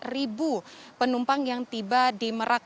satu ratus sebelas ribu penumpang yang tiba di merak